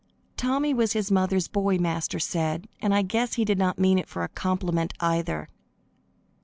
Tommy was his mother's boy, Master said, and I guess he did not mean it for a compliment either.